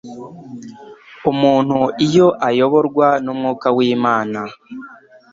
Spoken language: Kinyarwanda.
Umuntu iyo ayoborwa n'Umwuka w'Imana,